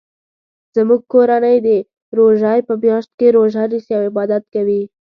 زموږ کورنۍ د روژی په میاشت کې روژه نیسي او عبادت کوي